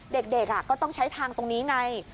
เด็กก็ต้องใช้ทางตรงนี้ไง